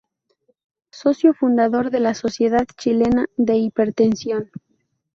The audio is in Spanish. Socio fundador de la Sociedad Chilena de Hipertensión.